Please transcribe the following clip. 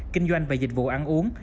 kinh doanh và dịch vụ ăn uống